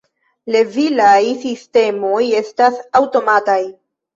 Levilaj sistemoj estas aŭtomataj.